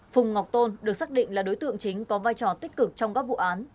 phùng ngọc tôn được xác định là đối tượng chính có vai trò tích cực trong các vụ án